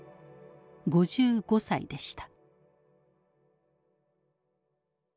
５５歳でした。